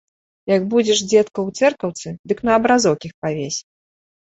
Як будзеш, дзедка, у цэркаўцы, дык на абразок іх павесь.